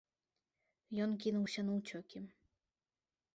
Ён кінуўся на ўцёкі.